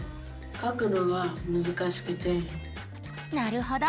なるほど。